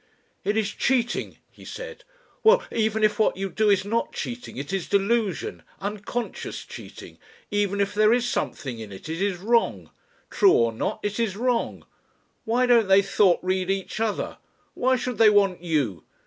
"It is cheating," he said. "Well even if what you do is not cheating, it is delusion unconscious cheating. Even if there is something in it, it is wrong. True or not, it is wrong. Why don't they thought read each other? Why should they want you?